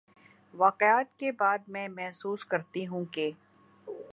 واقعات کے بعد میں محسوس کرتی ہوں کہ